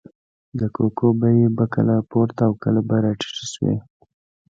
د کوکو بیې به کله پورته او کله به راټیټې شوې.